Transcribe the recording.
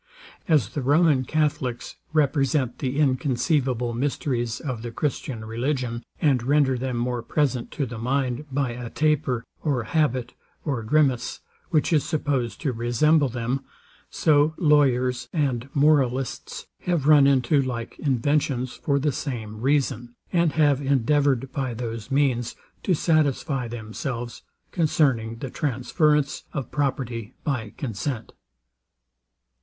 As the Roman catholics represent the inconceivable mysteries of the Christian religion, and render them more present to the mind, by a taper, or habit, or grimace, which is supposed to resemble them; so lawyers and moralists have run into like inventions for the same reason, and have endeavoured by those means to satisfy themselves concerning the transference of property by consent.